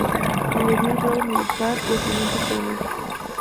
Se le dio el grado militar de teniente coronel.